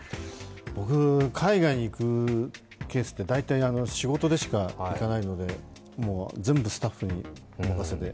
僕、海外に行くケースって大体仕事でしか行かないので全部スタッフにお任せで。